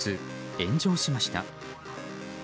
炎上しました。